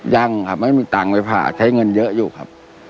ยังครับไม่มีตังค์ไปผ่าใช้เงินเยอะอยู่ครับ